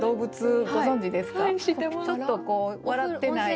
ちょっとこう笑ってない。